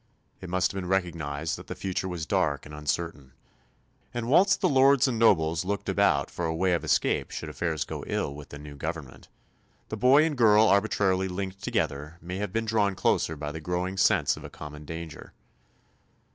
It must have been recognised that the future was dark and uncertain; and whilst the lords and nobles looked about for a way of escape should affairs go ill with the new government, the boy and girl arbitrarily linked together may have been drawn closer by the growing sense of a common danger.